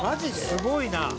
「すごいな」